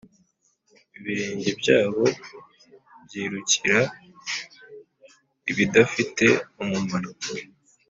ibirenge byabo byirukira ibidafite umumaro.